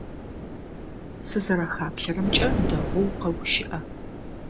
Сызэрэпхаплъэрэмкӏэ, дэгъоу укъэгущыӏэ.